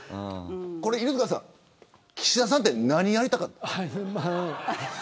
犬塚さん岸田さんは何がやりたかった。